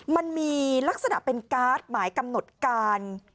มันมีลักษณะเป็นการ์ดหมายกำหนดการ